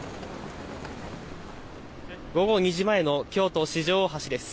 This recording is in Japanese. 午後２時前の京都・四条大橋です。